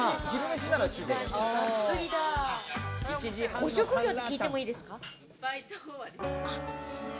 ご職業って聞いてもいいです